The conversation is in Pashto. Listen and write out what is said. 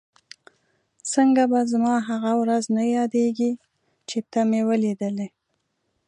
څنګه به زما هغه ورځ نه یادېږي چې ته مې ولیدلې؟